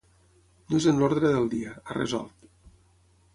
No és en l’ordre del dia, ha resolt.